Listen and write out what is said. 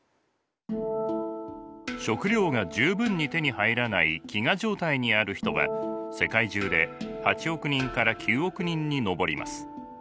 食料が十分に手に入らない飢餓状態にある人は世界中で８億人から９億人に上ります。